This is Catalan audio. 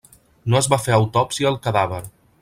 No es va fer autòpsia al cadàver.